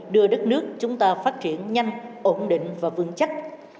đưa đất nước chúng ta phát triển nhanh ổn định và vững chắc